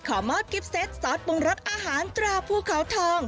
ขอมอบกิ๊บเซตซอสปรุงรสอาหารตราภูเขาทอง